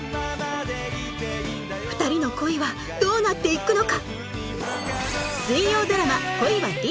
２人の恋はどうなって行くのか？